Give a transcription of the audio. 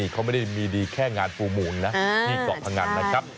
เขาไม่ได้มีดีแค่งานปูหมูนที่เกาะพังอัน